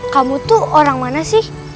kamu tuh orang mana sih